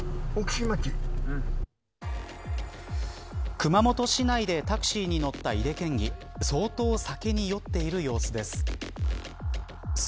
熊本市内でタクシーに乗った井手県議相当、酒に酔っている様子です。